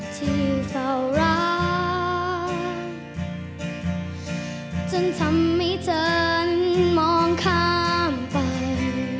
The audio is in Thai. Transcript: ที่เฝ้ารักจนทำให้ฉันมองข้ามไป